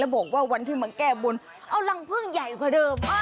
แล้วบอกว่าวันที่มาแก้บุญเอารังพึ่งใหญ่อยู่กันเดิม